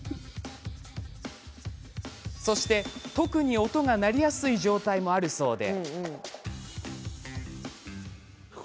そして、特に音が鳴りやすい状態もあるそうで。